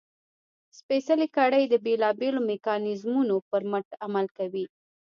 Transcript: سپېڅلې کړۍ د بېلابېلو میکانیزمونو پر مټ عمل کوي.